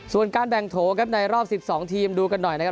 ส่วนการแบ่งโถครับในรอบ๑๒ทีมดูกันหน่อยนะครับ